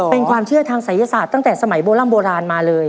เป็นความเชื่อทางศัยศาสตร์ตั้งแต่สมัยโบร่ำโบราณมาเลย